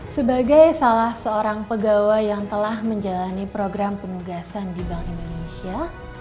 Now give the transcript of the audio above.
sebagai salah seorang pegawai yang telah menjalani program penugasan di bank indonesia